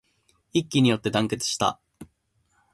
一揆によって団結した